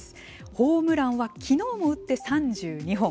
ホームランは昨日も打って３２本。